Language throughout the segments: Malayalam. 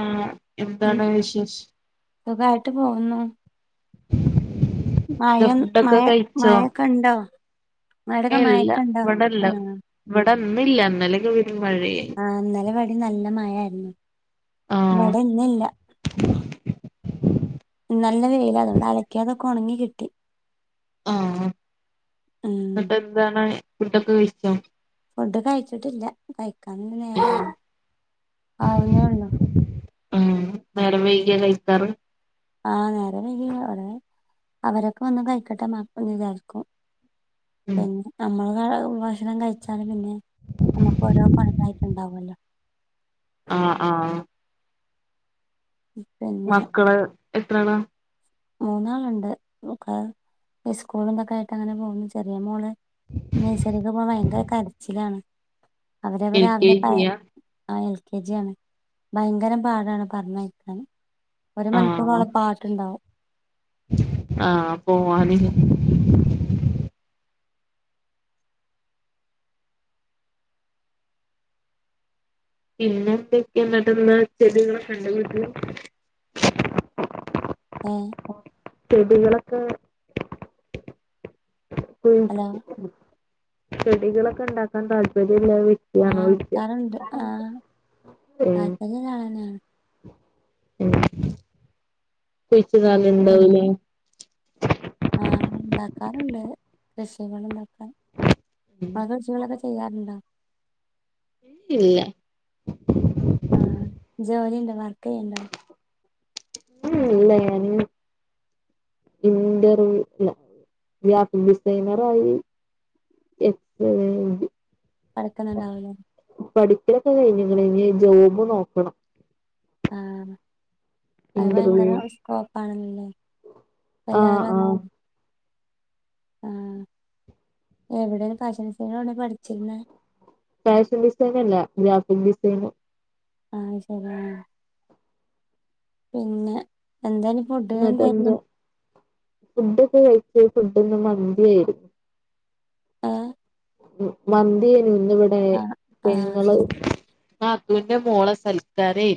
ആഹ് എന്ത് എന്താടാ വിശേഷ് സുഖായിട്ട് പോകുന്നു. എന്താ മയം ഫുഡൊക്കെ മയ കഴിച്ചോ മയ ഒക്കെയുണ്ടോ മഴ ഏഹ് ഇല്ല നന്നായിക്കുണ്ടോ ഇവിടെല്ല ആഹ് ഇവിടെ ഇന്നില്ല ഇന്നലെയൊക്കെ പെരും മഴയായി ആഹ് ഇന്നലെവിടെയും നല്ല മഴ യാരുന്നു. ആഹ് ഇവിടെ ഇന്നില്ല. നല്ല വെയിലാ അതുകൊണ്ട് അലക്കിയതൊക്കെ ഉണങ്ങി കിട്ടി. ആഹ് ഉം എന്നിട്ട് എന്താണ്? ഫുഡൊക്കെ കഴിച്ചോ? ഫുഡ് കഴിച്ചിട്ടില്ല കഴി ഏഹ് [unintelligible] ആവുന്നേ ഒള്ളു. ഉം നേരം വൈകിയാ കഴിക്കാറ്? ആഹ് നേരം വൈകി അവര് അവരൊക്കെ വന്ന് കൈക്കട്ടെ എന്ന് അപ്പം വിചാരിക്കും. ഉം പിന്നെ നമ്മള് എന്താണ് ഭക്ഷണം കഴിച്ചാല് പിന്നെ നമുക്ക് ഓരോ പണികളായിട്ടുണ്ടാവുമല്ലോ ആഹ് ആഹ് പിന്നെ മക്കള് എത്രാണ്? മൂന്നാളുണ്ട് ഒക്കെ സ്കൂളിന്നൊക്കെ ആയിട്ട് അങ്ങനെ പോകുന്നു ചെറിയ മോള് നഴ്സറി ഒക്കെ പോകാൻ ഭയങ്കര കരച്ചിലാണ്. അവരെവരെ എൽ കെ രാവിലെ പാ ജിയാ ആ എൽ കെ ജി ആണ് ഭയങ്കരം പാടാണ് പറഞ്ഞയക്കാൻ. ഒരു ആഹ് മണിക്കൂറോളം പാട്ടുണ്ടാവും. ആഹ് പോവാന്. ഇന്നത്തേക്ക് എന്താ [unintelligible] ഏഹ് ചെടികളൊക്കെ ഉം ഹലോ ചെടികളൊക്കെ ഇണ്ടാക്കാൻ താല്പ ആഹ് ട്ടാറുണ്ട് ആഹ് ഉം അതന്നെ ഞാനാ ഉം കുഴിച്ച്ടാല് പിന്നെ ഇണ്ടാവുല്ലെ ആ ഇണ്ടാക്കാറുണ്ട് കൃഷികളുണ്ടാ [unintelligible] കൃഷികളൊക്കെ ചെയ്യാറുണ്ടോ ഇല്ലല്ല വർ ക്കെയിണ്ടൊ ഉം ഇല്ല ഞാന് ഇന്റർവ്യു ഇല്ല ഗ്രാഫിക്ക് ഡിസൈനറയി [unintelligible] പഠിക്ക്ണണ്ടാവുല്ലെ ക്കലൊക്കെ കഴിഞ്ഞ്ക്ക്ണ് ഇഞ്ഞ് ജോബ് നോക്കണം ആഹ് അത് ഭയങ്കര ഇന്റർവ്യൂ റിസ്ക്കൊ പ്പാണല്ലേ അല്ല ആഹ് ആരാ ആഹ് ആ എവിടെണ് ഫാഷൻ ഡിസൈൻ പഠിച്ചിരുന്നെ ഫാഷൻ ഡിസൈനല്ല ഗ്രാഫിക് ഡിസൈൻ ആ ശരിയാണ് പിന്നെ എന്താണ് ഫുഡിന് എന്നിട്ട് എന്താരുന്നു ഫുഡ്‌ കഴിച്ചോ ഫുഡിന്ന് മന്തിയാരുന്നു ആ മന്തി ന്നിവിടെ ആഹ് ആഹ് പെങ്ങള് ൻ്റെ മോളേ സൽക്കാരേ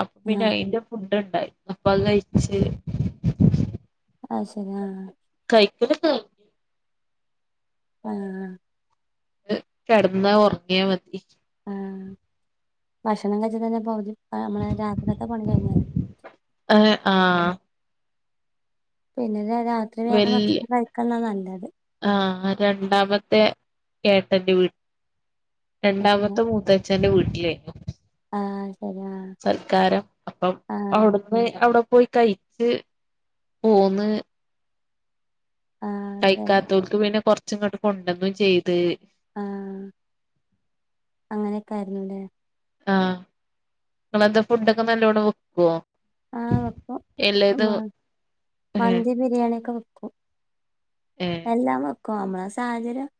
അപ്പൊ പിന്നെ ആഹ് അയിന്റെ ഫുഡ്ണ്ട് ഇപ്പത് കഴിച്ച് അത് ശരി ആ [unintelligible] ആ കെടന്നാ ഉറങ്ങിയാ മതി ആ ഭക്ഷണം കഴിച്ചാ തന്നെ പകുതി നമ്മള് രാത്രിത്തെ പണി കഴിഞ്ഞാല് ഏഹ് ആഹ് പിന്നെ ര രാത്രി വേഗം വല്യ ഭക്ഷണം കഴിക്കന്നാ നല്ലത് ആഹ് രണ്ടാമത്തെ ഏട്ടന്റെ വീട് അത് ശരിയാ രണ്ടാമത്തെ മൂത്താച്ഛന്റെ വീ ഇല്ലേ ആഹ് ശരിയാ [inaudible] സൽക്കാരം അപ്പം ആഹ് അവിടുന്ന് അവിടെ പോയി കഴിച്ച് പോന്ന് ആഹ് ശരി കയിക്കാത്തോർക്ക് പിന്നെ കൊ കുറച്ചിങ്ങോട്ട് കൊണ്ടുവന്നും ചെയ്ത് ആ അങ്ങനെയൊക്കെ ആയിരുന്നൂല്ലേ ആ നിങ്ങളെന്താ ഫുഡൊക്കെ നല്ലോണം വെക്കുവോ ആ വെക്കും മ എല്ലേതും ഏഹ് മന്തി ബിരിയാണി ഒക്കെ വെക്ക ക്കും ഏഹ് എല്ലാം വെ ക്കും നമ്മള സാഹചര്യം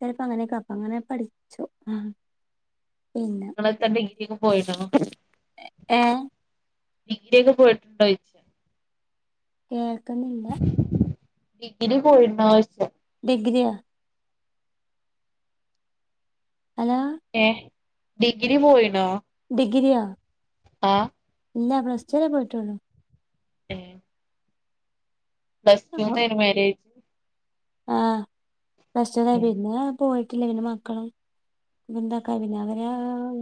ചിലപ്പോ അങ്ങനെയൊക്കെ അപ്പം അങ്ങനെ പഠിച്ചു ആ പിന്നെ നിങ്ങളെടുത്ത ഡിഗ്രി ഒക്കെ പോയടോ ഏഹ് ഡിഗ്രിയൊക്കെ പോയിട്ടുണ്ടോ ചോയിച്ചേ കേ ൾക്കുന്നില്ല ഡിഗ്രി പോയണ്ടോ ചോദിച്ചേ ഡിഗ്രിയാ ഹലോ ഏ ഡിഗ്രി പോയിണോ ഡിഗ്രിയാ ആ ഇല്ല പ്ലസ്ടു വരേ പോയിട്ടൊള്ളു ഏ പ്ലസ്ടുനായിരുന്നു മാരേ ആ പ്ലസ്ടു കഴിഞ്ഞു ഏഹ് പിന്നെ പോയി ക്കില്ല പിന്നെ മക്കളും പിന്നെന്താക്കാ പിന്നെ അവര്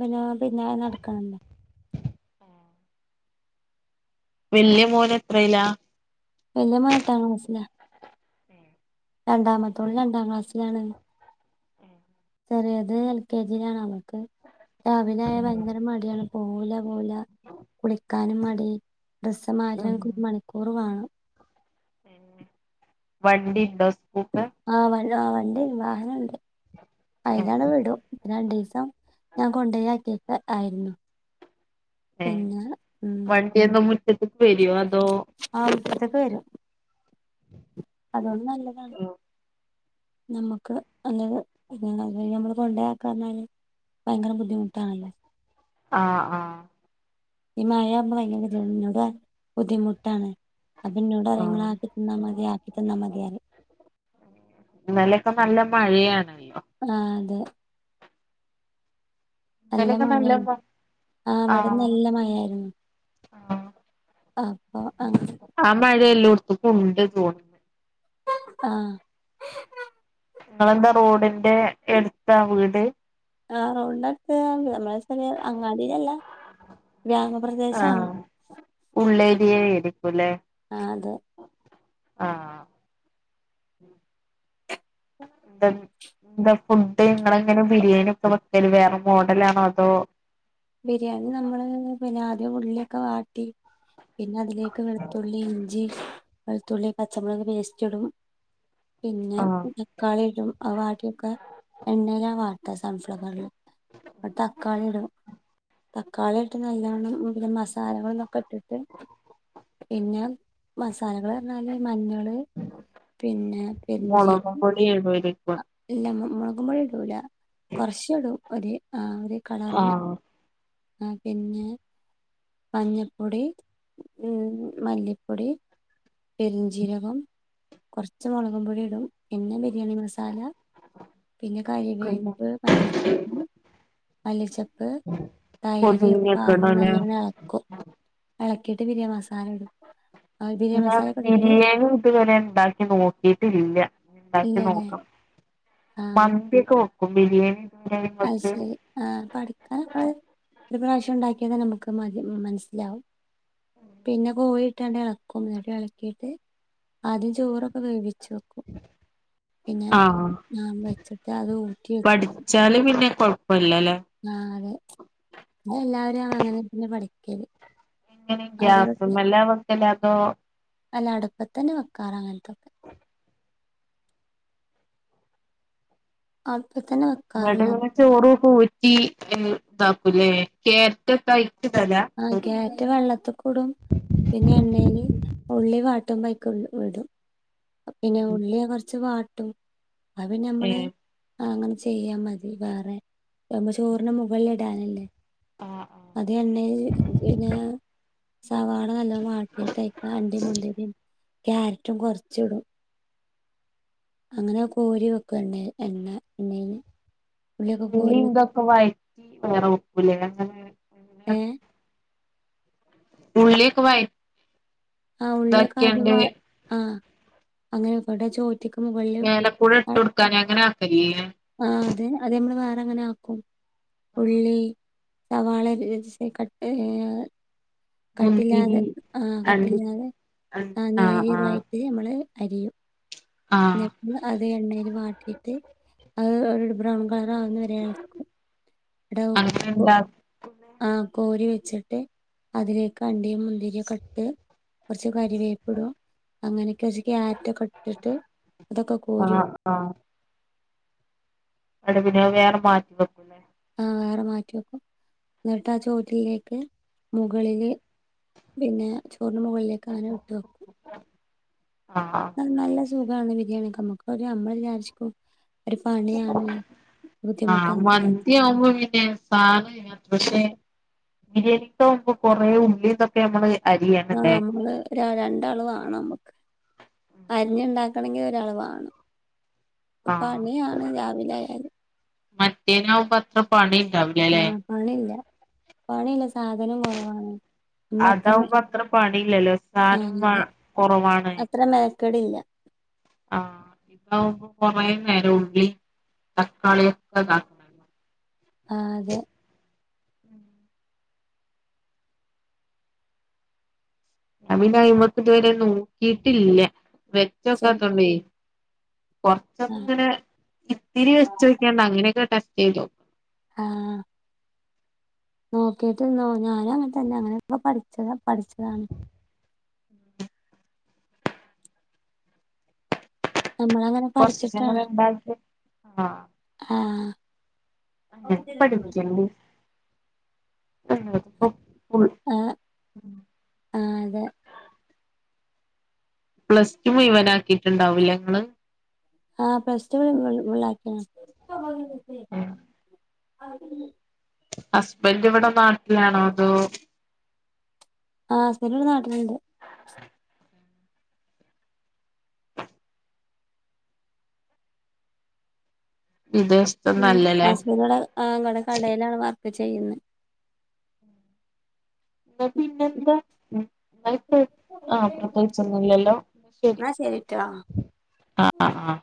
പിന്നെ പിന്നെ നടക്കണല്ലാ വല്യ മോൻ എത്രലാ വല്യ മോൻ എട്ടാം ക്ലാസിലാ രണ്ടാമത്തോള് രണ്ടാം ക്ലാസ്സിലാണ് ചെറിയത് എൽ കെ ജിയിലാണ് അവൾക്ക് രാവിലെ ആയാ ഭയങ്കര മടിയാണ് പോവൂലാ പോവൂലാ കുളിക്ക ക്കാനും മടി ഡ്രസ്സ് ഉം മാറ്റണെങ്കി ഒരു മണിക്കൂർ വേണം വണ്ടി ഉണ്ടോ സ് ആ വ ആ വണ്ടിണ്ട് വാഹനണ്ട് അയിലാാണ് ആഹ് വിടും പിന്നെ [unintelligible] [unintelligible] ഞാൻ കൊണ്ടോ യാക്കി അ ആയിരുന്നു ഏ പിന്നെ ഉം വണ്ടിയൊക്കെ മുറ്റത്ത്ക്ക് വര്വോ അതോ അതൊക്കെ വരും ഉ അതൊണ്ട് നല്ലതാണ് നമ്മക്ക് [unintelligible] നമ്മള് കൊണ്ടയാക്കാർഞ്ഞാല് ഭയങ്കര ബുദ്ധിമുട്ടാണ് ആ ആ ഈ മായവുമ്പം ഭയങ്കര കെതേട് ഇന്നോട് പർ ഞ്ഞ് ബുദ്ധിമുട്ടാണ് അപ്പിന്നോട റിം ആഹ് ഇങ്ങളാക്കി തന്നാ മതി ആക്കി തന്നാ മതി റിം ക്കെ നല്ല മഴയാണ് [unintelligible] ആ അതെ നല്ല ഇന്നലൊക്കെ മഴാണ് മ ആ ഇവടെ ആഹ് നല്ല മഴായിരുന്നു ആഹ് അപ്പൊ അ എല്ലോട്ത്ത്ക്കുണ്ട് തോന്ന് ആ ഇങ്ങളെന്താ റോഡിന്റെ എട്ത്താ വീട് ആ റോഡിൻ്റട്ത്ത് നമ്മ [unintelligible] അ [unintelligible] അങ്ങാടിലല്ല ആ ഉള്ളേരിയയിരിക്കുലെ ആ അതെ ആ [unintelligible] എന്താ ഫുഡ് ഇങ്ങളെങ്ങനെ ബിരിയാണി ഒക്കെ വെക്കല് വേറെ മോഡലാണോ അതോ ബിരിയാണി നമ്മള് പിന്നെ അ ഉള്ളിയൊക്കെ വാട്ടി പിന്നെ അതിലേക്ക് വെള്ത്തുള്ളി ഇഞ്ചി വെള്ത്തുള്ളി പച്ചമുളക് പേസ്റ്റിടും പിന്നെ തക്കാളി ടും അവാട്ട്യൊക്കെ എണ്ണേലാ വാട്ട സൺഫ്ലവറില് ട്ട് തക്കാളി ടും തക്കാളിട്ട് നല്ലവണ്ണം ഉം പിന്നെ മസാലകളന്നൊക്കെ ഇട്ടിട്ട് പിന്നെ മസ ലകളർഞ്ഞാല് മഞ്ഞള് പിന്നെ പെര്‌ഞ്ചീ വ മ് മ് മോളകും പൊടി ഇടൂല കൊർച്ചിടും ഒര് ആ ര് കളറിന് ആ പിന്നെ മഞ്ഞപ്പൊടി ഉം മല്ലിപ്പൊടി പെരിഞ്ചിരകം കുറച്ച് മുളകും പൊടി ഇടും പിന്നെ ബിരിയാണി മസാല പിന്നെ പിന്നെ കറിവേപ്പ് മല്ലിച്ചപ്പ് മല്ലിച്ചപ്പ് തൈര് ഒക്കെ പൊതീനയൊക്കെ പാർന്ന് ഇടൂലേ നല്ലവണ്ണം ഇളക്കും ഇളക്കിട്ട് പിന്നെ മസാല [unintelligible] ഞാൻ മസാല ഇടും ബിരിയാണി ഇതുവരെ ഉണ്ടാക്കി നോക്കിട്ടി ഇല്ല ഉണ്ടാക്കി ഇല്ലല്ലേ നോക്കാം ആഹ് മന്തി ഒക്കെ ബിരിയാണി ഇതുവരെ അത് വെക്ക് ശരി ആഹ് പഠിക്കാൻ നമ്മള് ഒരു പ്രാവശ്യം ഉണ്ടാക്കിയ തന്നെ നമുക്ക് മതി മനസ്സിലാവും പിന്നെ കോയി ഇളക്കും എന്നിട്ട് ഇളക്കിയിട്ട് ആദ്യം ചോറൊക്കെ വേവി വെക്കും പിന്നെ ആഹ് ആ വെച്ചിട്ട് അത് ഊറ്റി വെച്ചി എളുപ്പാണ് ആഹ് അതെ എല്ലാവരെയും ആണ് അങ്ങനെ തന്നെ പഠിക്കും [unintelligible] എങ്ങനെ ഗ്യാസുമല് ആണ് വക്കല് അതോ അല്ല അടപ്പത്ത് തന്നെ വെക്കാറ് അങ്ങനത്തെ [inaudible] ആഹ് [unintelligible] ഈ ഇതാക്കൂല്ലേ ക്യാരറ്റൊക്കെയായി ആഹ് ക്യാരറ്റ് വെള്ളത്തികൂടും പിന്നെ എണ്ണേൽ ഉള്ളി വാ [unintelligible] ഇടും പിന്നെ ഉള്ളിയെ കുറച്ച് പാ [unintelligible] അതാ പിന്നെ ഏ നമ്മള് അതങ്ങനെ ചെയ്യാൻ മതി വേറെ ഇതാവുമ്പോ ചോറിന് മുകളിൽ ഇടാനല്ലേ ആഹ് ആഹ് പിന്ന സവാള നല്ലോണം വാട്ടീട്ട് [inaudible] ക്യാരറ്റും കുറച്ച് ച്ചിടും അങ്ങനെകോരി വെക്കും എണ്ണേ എണ്ണ എണ്ണേന്ന് ഉള്ളി ഇതൊക്കെ വഴറ്റി വേറെ വെക്കൂലേ അങ്ങനെ ഏ ഉള്ളിക്കെ വായ് ആ ഉള്ളിയൊക്കെ ആദ്യം വ ആഹ അങ്ങനെ ഇവിടെ ചോ ഏലപ്പുഴ ഇട്ടൊട്ക്കാഞാ ആ അത് അത് നമ്മള് [unintelligible] വേറെ അങ്ങനെ ആക്കും ഉള്ളി സവാള [unintelligible] കട്ടില്ലാതെ മുന്തിരി ആ കട് അണ്ടി പില്ലാതെ ആ ആഹ് ആഹ് നേരിയതായിട്ട് നമ്മള് അരിയും ആഹ് [unintelligible] എണ്ണയില് വിട്ടിട്ട് അത് അവരോട് ബ്രൗൺ കളറാവുന്ന വരെ എളക്കും അങ്ങനെണ്ടാ ആ കോരി വെച്ചിട്ട് അതിലേക്ക് അണ്ടിയും മുന്തിരിയൊക്കെട്ട് കുറ കരുവേപ്പിടും അങ്ങനെ ച്ച് ക്യാരൊറ്റൊക്കെ ഇട്ടിട്ട് അതൊക്കെ കോരൂം ആഹ് അടെ പിന്നെ വേറെ മാറ്റി വെക്കൂല്ലേ ആ വേറെ മാറ്റി വെക്കും എന്നിട്ടാ ചോറ്റിലേക്ക് മുകളില് പിന്നെ ടൂർണമുകളിലേക്ക് അങ്ങനെ വിട്ടു വെക്കും ആഹ് ന നല്ല സൂഖ വാ ബരിയാണിവെക്ക നമക്ക് നമ്മൾ വിചാരിക്കും ഒരു പണിയാണ് ആ ബുദ്ധിമുട്ടാന്ന് വിചാരിച്ച് മന്തിയാംപോ വീട്ടില് [unintelligible] പക്ഷെ [unintelligible] കൊറേ ഉള്ളിന്നൊക്കെ നമ്മള് ആ അരിയണല്ലേ നമ്മള് ര രണ്ടാളാണ് നമ്മുക്ക് അരിഞ്ഞുണ്ടാ ക്കണങ്കിൽ ഒരാള് വേണം ആഹ് പണിയാണ് രാവിലെ ആയാല് മറ്റേനാവുമ്പോ അത്ര പണി ഉണ്ടാവില്ലല്ലേ ആഹ് പണിയില്ല പണിയില്ല സാധനം കൊറവാണ് അതാവുമ്പോ അത്ര പണിയില്ലല്ലോ സാനം വാ കൊറവാണ് കടിഞ്ഞ ആഹ് ഇതാവുമ്പോ കൊറേ നേരം ഉള്ളി തക്കാളിയൊക്കെതാക്കണ്ടെ ആതെ ഞാൻ പിന്നെ അയിമക്ക് ഇതുവരെ നോക്കിട്ടില്ല ശരി വെച്ചൊക്കാത്തോണ്ടേ കൊറച്ചൊന്ന് ആഹ് ഇങ്ങനെ ഇത്തിരി വെച്ചോക്കിയാണ്ട് അങ്ങനെയൊക്കെ ക ഏതോ ആഹ് നോക്കിട്ട്ന്നോ ഞാനും അങ്ങനത്തന്നെ അങ്ങനെ പഠിച്ചത പഠിച്ചതാണ് നമ്മളങ്ങനെ കൊറച്ചീസം പഠിച്ചിട്ടാ കൂടെ ഉണ്ടാക്കി ആഹ് അങ്ങനെക്കെ പടിക്കണ് ആ പ്പോ ഉൾ ആഹ് ആ അതെ ആ പ്ലസ്ടു മുഴവനാക്കിട്ട്ണ്ടാകും ലെ ഇങ്ങള് ആ പ്ലസ്ടു വു വുള്ളാക്കിണ് ഇപ്പ [unintelligible] അ [unintelligible] ഹസ്ബൻഡ് ഇവിടെ നാട്ടിലാണോ അതോ ആ ഹസ്ബൻഡ് ഇവിടെ നാട്ടിലുണ്ട് [unintelligible] ഉം വിദേശത്തൊന്നല്ലല്ലേ ഹസ്ബൻഡ് ഇവിടെ ആ ങ്ങടെ കടയിലാണ് വർ ക്ക് ചെയ്യുന്നെ എന്നാ പിന്നെന്താ അ [unintelligible] ആഹ് പ്രത്യേകിച്ചൊന്നുംല്ലല്ലോ ശരി എന്നാ ശരിട്ടോ ആ ആ